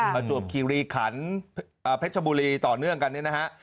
ประจวบคีรีขันเพชรบุรีต่อเนื่องกันเนี่ยนะฮะ